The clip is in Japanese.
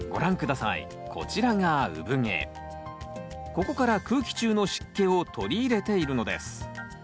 ここから空気中の湿気を取り入れているのです。